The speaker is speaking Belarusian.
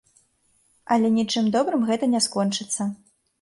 Але нічым добрым гэта не скончыцца.